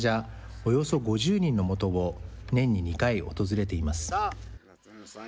およそ５０人のもとを、年に２回訪れています。